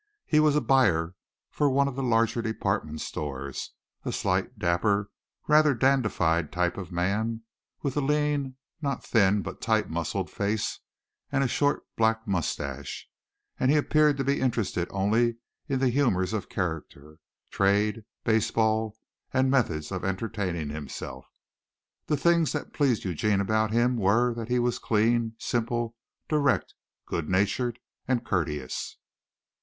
He was a buyer for one of the larger department stores, a slight, dapper, rather dandified type of man, with a lean, not thin but tight muscled face, and a short black mustache, and he appeared to be interested only in the humors of character, trade, baseball and methods of entertaining himself. The things that pleased Eugene about him were that he was clean, simple, direct, good natured and courteous.